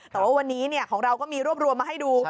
แต่ว่าวันนี้ของเราก็มีรวบรวมมาให้ดู